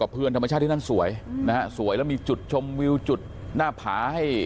เพื่อนธรรมชาติที่นั่นสวยนะฮะสวยแล้วมีจุดชมวิวจุดหน้าผาให้